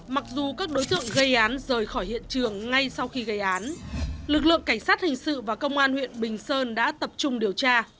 mặc dù các đối tượng gây án rời khỏi hiện trường ngay sau khi gây án lực lượng cảnh sát hình sự và công an huyện bình sơn đã tập trung điều tra